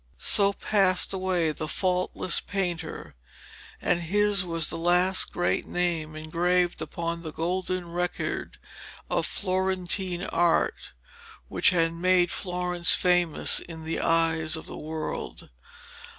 So passed away the faultless painter, and his was the last great name engraved upon that golden record of Florentine Art which had made Florence famous in the eyes of the world.